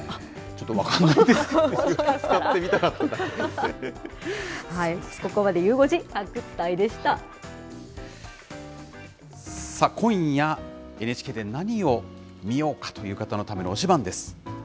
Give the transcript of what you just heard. ちょっと分かんないんですけど、ここまで、ゆう５時発掘隊で今夜、ＮＨＫで何を見ようかという方のための推しバンです。